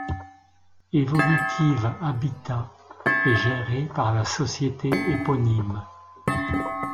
Evolutiv'Habitat est géré par la société éponyme.